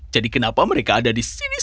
jadi kenapa mereka ada di sini saja